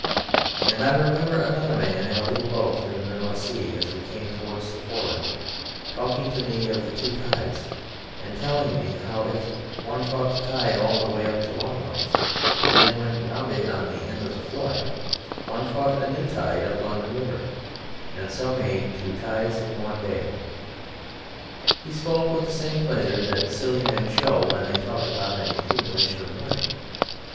And I remember another man in a little boat in the North Sea, as we came towards the Foreland, talking to me of the two tides, and telling me how if one caught the tide all the way up to Long Nose and then went round it on the end of the flood, one caught a new tide up London river, and so made two tides in one day. He spoke with the same pleasure that silly men show when they talk about an accumulation of money.